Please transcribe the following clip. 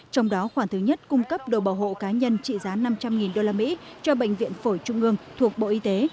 trong đó khoản thứ nhất cung cấp đồ bảo hộ cá nhân trị giá năm trăm linh usd cho bệnh viện phổi trung ương thuộc bộ y tế